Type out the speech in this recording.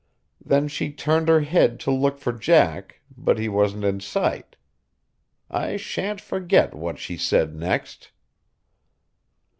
Then she turned her head to look for Jack, but he wasn't in sight. I sha'n't forget what she said next.